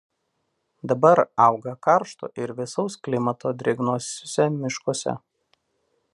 Dabar auga karšto ir vėsaus klimato drėgnuosiuose miškuose.